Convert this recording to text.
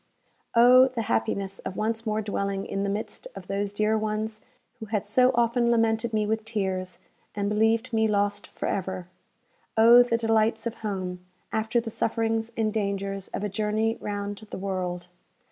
Oh, the happiness of once more dwelling in the midst of those dear ones who had so often lamented me with tears, and believed me lost for ever! Oh, the delights of home, after the sufferings and dangers of a journey round the world!